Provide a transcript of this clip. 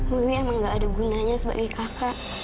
saya memang tidak ada gunanya sebagai kakak